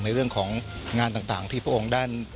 ในเรื่องของงานต่างที่พระองค์ด้าน